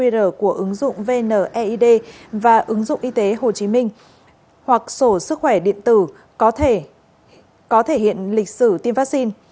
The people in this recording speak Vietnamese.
qr của ứng dụng vneid và ứng dụng y tế hồ chí minh hoặc sổ sức khỏe điện tử có thể có thể hiện lịch sử tiêm vaccine